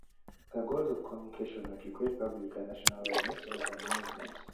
The goals of communication were to create public and national awareness of the movement.